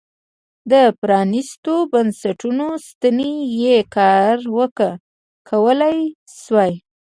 د پرانیستو بنسټونو ستنې یې کاواکه کولای شوای.